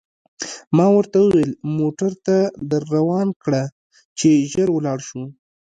ما ورته وویل: موټر ته در روان کړه، چې ژر ولاړ شو.